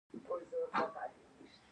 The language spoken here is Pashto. فرمان او حکم څه توپیر لري؟